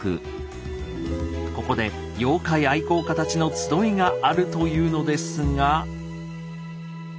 ここで妖怪愛好家たちの集いがあるというのですが。